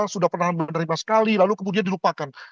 sudah pernah menerima sekali lalu kemudian dilupakan